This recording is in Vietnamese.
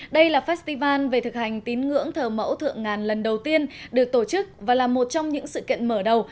đây là festival về thực hành tín ngưỡng thờ mẫu thượng ngàn lần đầu tiên được tổ chức và là một trong những sự kiện mở đầu